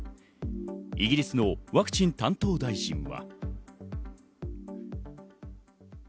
イギリスのワクチン担当大臣は。